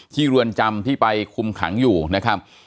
เรือนจำที่ไปคุมขังอยู่นะครับ